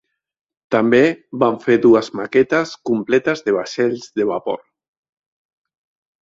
També van fer dues maquetes completes de vaixells de vapor.